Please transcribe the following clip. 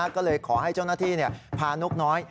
ก็เลยขอให้เจ้าหน้าที่พานกน้อย